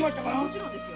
もちろんです。